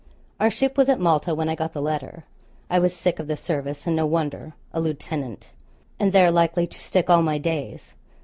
Our ship was at Malta when I got the letter. I was sick of the service, and no wonder: a lieutenant and there likely to stick all my days.